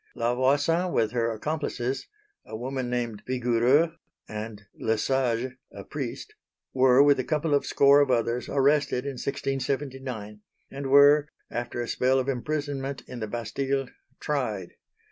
La Voisin with her accomplices a woman named Vigoureux and Le Sage, a priest were with a couple of score of others arrested in 1679, and were, after a spell of imprisonment in the Bastille, tried.